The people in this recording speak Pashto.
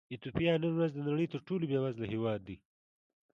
ایتوپیا نن ورځ د نړۍ تر ټولو بېوزله هېواد دی.